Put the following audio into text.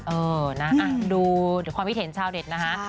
เออนะดูความพิเศษชาวเด็ดนะฮะ